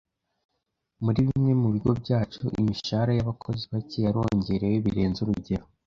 Muri bimwe mu bigo byacu imishahara y’abakozi bake yarongerewe birenze urugero.